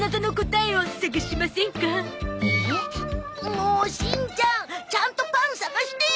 もうしんちゃんちゃんと「パン」探してよ。